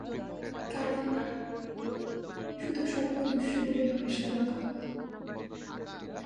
কারণ, শুধু স্বপ্নদূশ্যগুলোই হয় সাদাকালো।